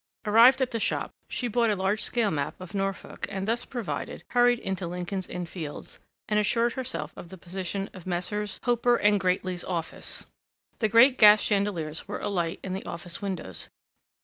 Arrived at the shop, she bought a large scale map of Norfolk, and thus provided, hurried into Lincoln's Inn Fields, and assured herself of the position of Messrs. Hoper and Grateley's office. The great gas chandeliers were alight in the office windows.